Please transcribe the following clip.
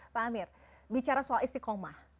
pak amir bicara soal istiqomah